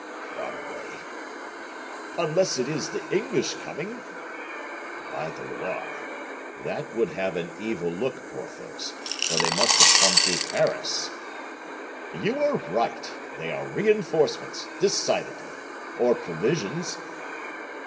"Probably." "Unless it is the English coming." "By the Loire? That would have an evil look, Porthos; for they must have come through Paris!" "You are right; they are reinforcements, decidedly, or provisions."